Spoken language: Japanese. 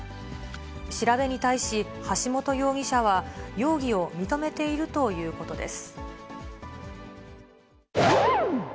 調べに対し、橋本容疑者は容疑を認めているということです。